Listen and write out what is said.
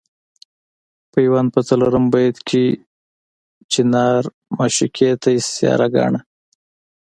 پیوند په څلورم بیت کې چنار معشوقې ته استعاره ګاڼه.